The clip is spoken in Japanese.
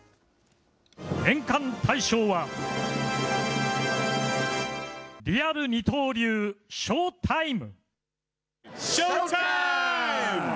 年間大賞は、リアル二刀流／ショータイム。